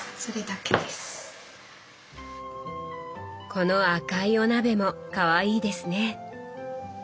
この赤いお鍋もかわいいですね。